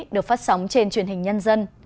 được phát sóng trên truyền hình nhân dân